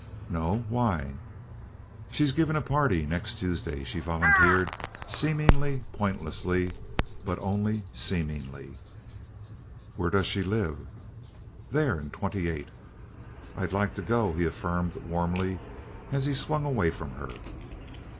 "No, why?" "She's giving a party next Tuesday," she volunteered, seemingly pointlessly, but only seemingly. "Where does she live?" "There in twenty eight." "I'd like to go," he affirmed, warmly, as he swung away from her.